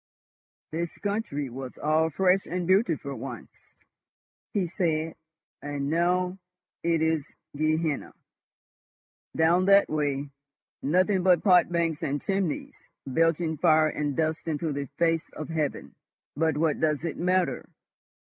"This country was all fresh and beautiful once," he said; "and now—it is Gehenna. Down that way—nothing but pot banks and chimneys belching fire and dust into the face of heaven ..... But what does it matter?